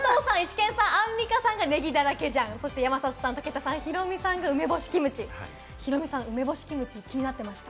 武藤さん、イシケンさん、アンミカさんがネギだらけ醤、山里さん、武田さん、ヒロミさんが梅干しキムチ、ヒロミさん気になってましたか？